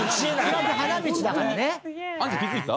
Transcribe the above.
桜木花道だからね。